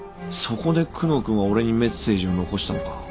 そこで久能君は俺にメッセージを残したのか。